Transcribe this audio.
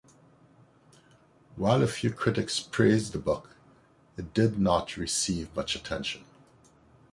While a few critics praised the book, it did not receive much attention.